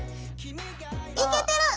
いけてる！